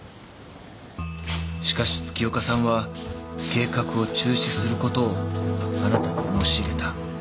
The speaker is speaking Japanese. しかし月岡さんは計画を中止することをあなたに申し入れた。